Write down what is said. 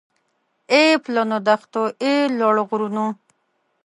اې پلنو دښتو اې لوړو غرونو